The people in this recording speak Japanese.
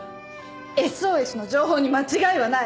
「ＳＯＳ」の情報に間違いはない。